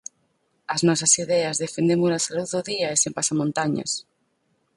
As nosas ideas defendémolas á luz do día e sen pasamontañas.